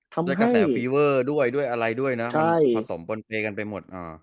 ด้วยกระแสฟีเวอร์ด้วยด้วยอะไรด้วยนะมันผสมบนเพลงกันไปหมด